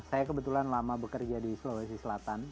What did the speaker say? saya kebetulan lama bekerja di sulawesi selatan